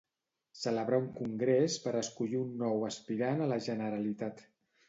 Celebrar un congrés per escollir un nou aspirant a la Generalitat.